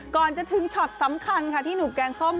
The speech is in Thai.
ก่อนจะถึงช็อตสำคัญค่ะที่หนุ่มแกงส้ม